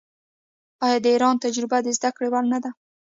آیا د ایران تجربه د زده کړې وړ نه ده؟